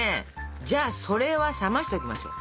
じゃあそれは冷ましておきましょう。